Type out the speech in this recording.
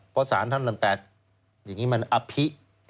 เพราะสารท่านลำแปดอย่างนี้มันอภิ